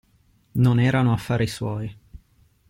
Non erano affari suoi.